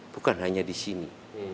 bukan hanya di sini